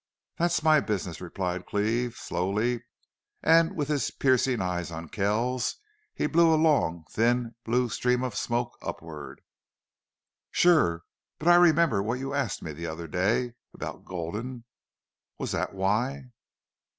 "That's my business," replied Cleve, slowly, and with his piercing eyes on Kells he blew a long, thin, blue stream of smoke upward. "Sure.... But I remember what you asked me the other day about Gulden. Was that why?"